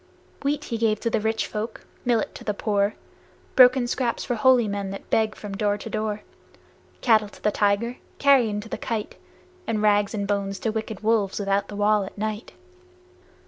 Wheat he gave to rich folk, millet to the poor, Broken scraps for holy men that beg from door to door; Battle to the tiger, carrion to the kite, And rags and bones to wicked wolves without the wall at night.